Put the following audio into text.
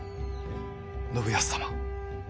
信康様。